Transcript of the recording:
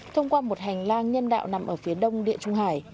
thông qua một hành lang nhân đạo nằm ở phía đông địa trung hải